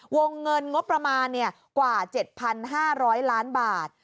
วงเงินงบประมาณกว่า๗๕๐๐ล้านบาท